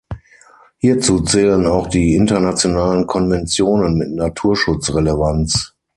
Hierzu zählen auch die internationalen Konventionen mit Naturschutz-Relevanz.